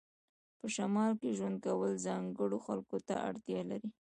په شمال کې ژوند کول ځانګړو خلکو ته اړتیا لري